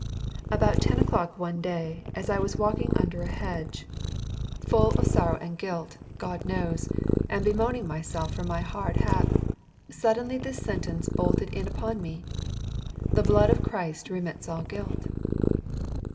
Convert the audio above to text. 'About ten o'clock one day, as I was walking under a hedge, full of sorrow and guilt, God knows, and bemoaning myself for my hard hap, suddenly this sentence bolted in upon me: The blood of Christ remits all guilt.